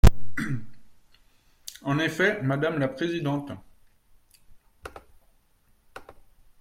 En effet, madame la présidente.